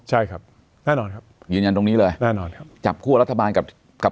ใช่ครับแน่นอนครับยืนยันตรงนี้เลยแน่นอนครับจับคั่วรัฐบาลกับกับ